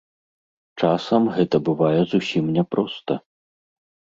Часам гэта бывае зусім няпроста.